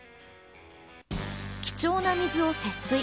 貴重な水を節水！